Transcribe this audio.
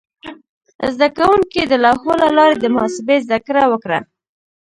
زده کوونکي د لوحو له لارې د محاسبې زده کړه وکړه.